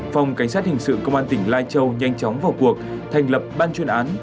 phòng cảnh sát hình sự công an tỉnh lai châu nhanh chóng vào cuộc thành lập ban chuyên án